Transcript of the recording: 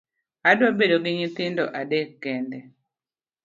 Adwa bedo gi nyithindo adek kende.